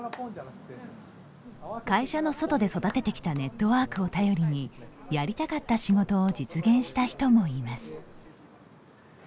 会社の外で育ててきたネットワークを頼りにやりたかった仕事を実現した人もいます。